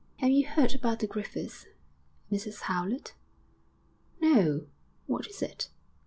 'Have you heard about the Griffiths, Mrs Howlett?' 'No!... What is it?'